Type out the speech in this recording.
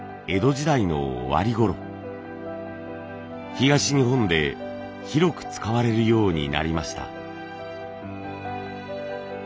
東日本で広く使われるようになりました。